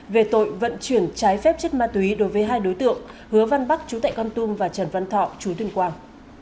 về tội vận chuyển trái phép chất ma túy đối với hai đối tượng hứa văn bắc chú tại con tum và trần văn thọ chú tuyên quang